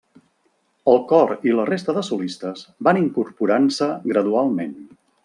El cor i la resta de solistes van incorporant-se gradualment.